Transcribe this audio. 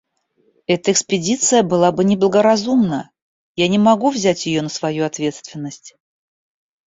Эта экспедиция была бы неблагоразумна; я не могу взять ее на свою ответственность.